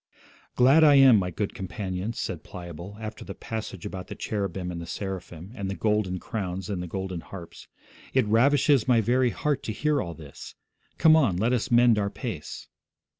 'Glad I am, my good companion,' said Pliable, after the passage about the cherubim and the seraphim, and the golden crowns and the golden harps, 'it ravishes my very heart to hear all this. Come on, let us mend our pace.'